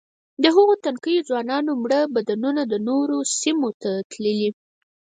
د هغو تنکیو ځوانانو مړه بدنونه د نورو سیمو ته تللي.